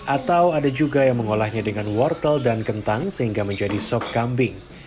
atau ada juga yang mengolahnya dengan wortel dan kentang sehingga menjadi sop kambing